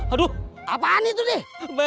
aduh apaan itu deh